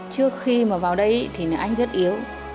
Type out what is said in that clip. trước khi mà vào đây thì anh rất yếu